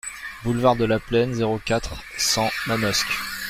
Boulevard de la Plaine, zéro quatre, cent Manosque